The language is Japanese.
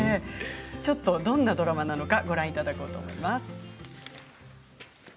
どんなドラマなのかご覧いただこうと思います。